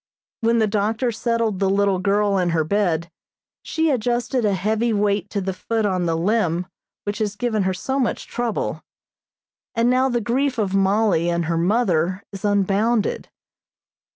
When the doctor settled the little girl in her bed she adjusted a heavy weight to the foot on the limb which has given her so much trouble, and now the grief of Mollie and her mother is unbounded.